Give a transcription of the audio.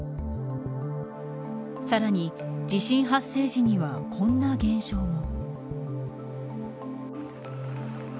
さらに地震発生時にはこんな現象も。